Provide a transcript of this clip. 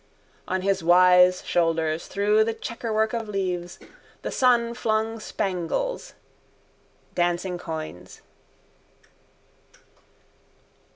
On his wise shoulders through the checkerwork of leaves the sun flung spangles, dancing coins.